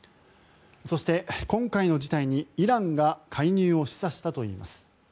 そして、今回の事態にイランが介入を示唆したといいます。